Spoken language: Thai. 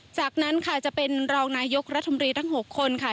จากนั้นค่ะจะเป็นรองนายกรัฐมนตรีทั้ง๖คนค่ะ